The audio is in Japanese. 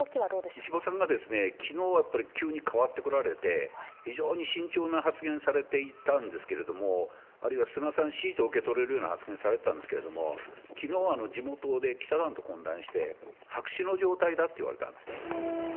石破さんが、きのうはやっぱり急に変わってこられて、非常に慎重な発言されていたんですけれども、あるいは菅さん支持と受け取れるような発言されてたんですけれども、きのう、地元で記者団と懇談して、白紙の状態だと言われたんですね。